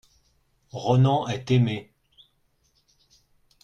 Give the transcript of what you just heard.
Ronan est aimé.